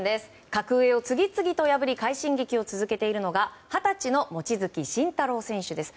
格上を次々と破り快進撃を続けているのが二十歳の望月慎太郎選手です。